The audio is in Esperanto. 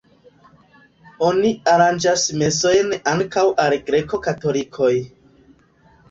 Oni aranĝas mesojn ankaŭ al greko-katolikoj.